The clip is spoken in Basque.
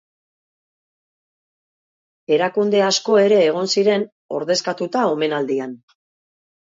Erakunde asko ere egon ziren ordezkatuta omenaldian.